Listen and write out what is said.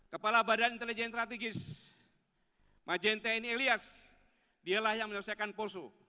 kepala badan intelijen strategis majente nielias dialah yang menyelesaikan poso